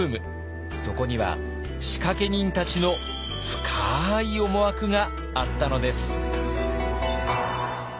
そこには仕掛け人たちの深い思惑があったのです。